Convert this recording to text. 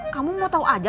kamu mau tau aja